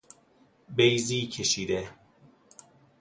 بیضی کشیده